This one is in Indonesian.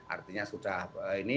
artinya sudah ini